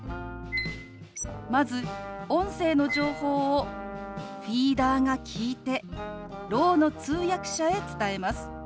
まず音声の情報をフィーダーが聞いてろうの通訳者へ伝えます。